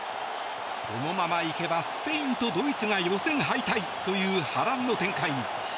このままいけばスペインとドイツが予選敗退という波乱の展開に。